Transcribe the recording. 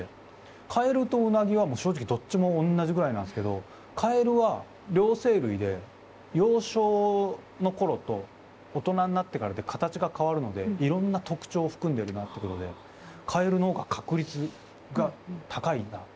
カエルとウナギは正直どっちも同じくらいなんですけどカエルは両生類で幼少の頃と大人になってからで形が変わるのでいろんな特長含んでるなってことでカエルの方が確率が高いな特長がいっぱいある分。